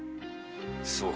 そう